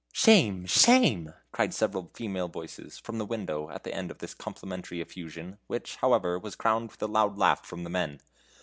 "Shame! shame!" cried several female voices from the window at the end of this complimentary effusion, which, however, was crowned with a loud laugh from the men.